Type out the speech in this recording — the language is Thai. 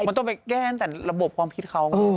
มันต้องไปแก้ตั้งแต่ระบบความคิดเขา